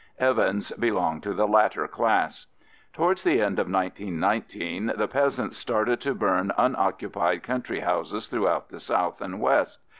Evans belonged to the latter class. Towards the end of 1919 the peasants started to burn unoccupied country houses throughout the south and west.